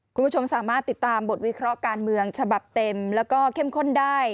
คุณผู้ชมสามารถติดตามบทวิเคราะห์การเมืองฉบับเต็มแล้วก็เข้มข้นได้